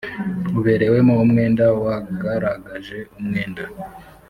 uberewemo umwenda wagaragaje umwenda